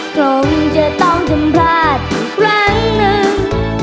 คงจะต้องทำพลาดอีกครั้งหนึ่ง